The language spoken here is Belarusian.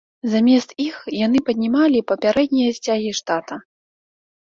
Замест іх яны паднімалі папярэднія сцягі штата.